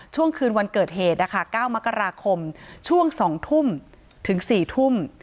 ช่วงคืนวันเกิดเหตุนะคะ๙มกราคมช่วง๒ทุ่มถึง๔ทุ่ม